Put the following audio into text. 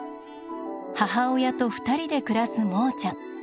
母親と２人で暮らすモーちゃん。